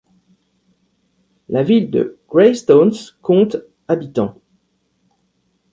La ville de Greystones compte habitants.